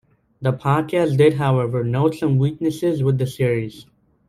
The podcast did however note some weaknesses with the series.